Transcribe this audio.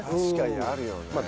確かにあるよね。